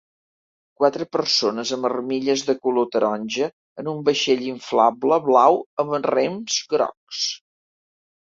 Quatre persones amb armilles de color taronja en un vaixell inflable blau amb rems grocs.